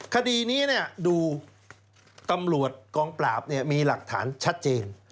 คดีนี้ดูตำรวจกองปราบมีหลักฐานชัดเจน